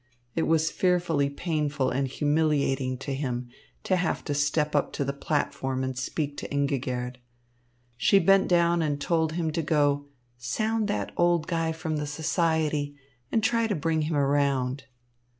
It was fearfully painful and humiliating to him to have to step up to the platform and speak to Ingigerd. She bent down and told him to go "sound that old guy from the Society and try to bring him around."